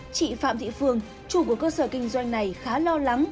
chị phạm thị phương chủ của cơ sở kinh doanh này khá lo lắng